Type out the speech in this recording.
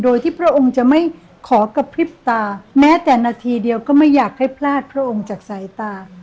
โดยที่พระองค์จะไม่ขอกระพริบตาแม้แต่นาทีเดียวก็ไม่อยากให้พลาดพระองค์จากสายตา